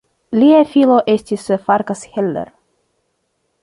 Lia filo estis Farkas Heller.